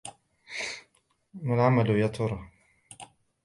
مَا العَمَلُ يَا تُرَى!